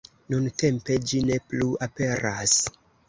Nuntempe ĝi ne plu aperas.